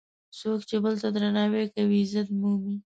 څوک چې بل ته درناوی کوي، عزت مومي.